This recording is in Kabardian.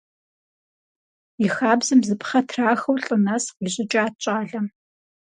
И хабзэм бзыпхъэ трахыу лӀы нэс къищӀыкӀат щӀалэм.